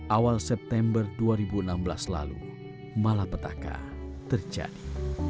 awal september dua ribu enam belas lalu malapetaka terjadi